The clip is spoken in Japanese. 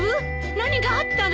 何かあったの？